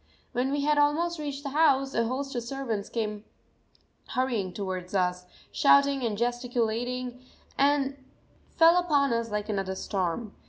When we had almost reached the house, a host of servants came hurrying towards us, shouting and gesticulating, and fell upon us like another storm.